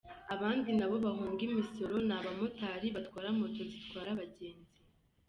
Abandi nabo bahunga imisoro ni abamotari batwara moto zitwara abagenzi.